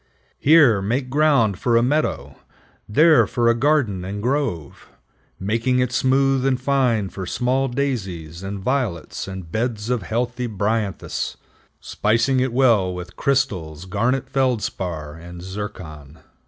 Here make ground for a meadow; there, for a garden and grove, making it smooth and fine for small daisies and violets and beds of heathy bryanthus, spicing it well with crystals, garnet feldspar, and zircon."